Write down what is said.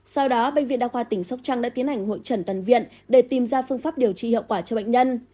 sau đó bệnh viện đa khoa tỉnh sóc trăng đã tiến hành hội trần tàn viện để tìm ra phương pháp điều trị hiệu quả cho bệnh nhân